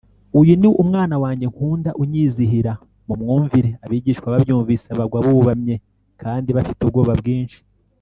Uyu ni Umwana wanjye nkunda unyizihira mumwumvire Abigishwa babyumvise bagwa bubamye kandi bafite ubwoba bwinshi